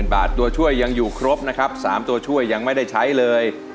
บาทตัวช่วยยังอยู่ครบนะครับ๓ตัวช่วยยังไม่ได้ใช้เลย